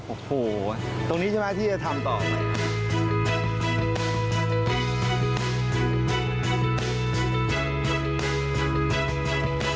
โอ้โหตรงนี้ใช่ไหมที่จะทำต่อไปครับ